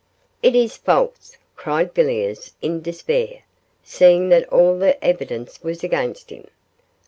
'It is false!' cried Villiers, in despair, seeing that all the evidence was against him.